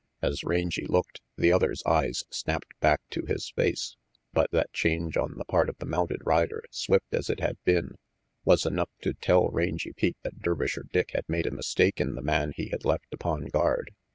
As Rangy looked, the other's eyes snapped back to his face^ but that change on the part of the mounted rider, swift as it had been, was enough to tell Rangy Pete that Dervisher Dick had made a mistake in the man he had left upon guard.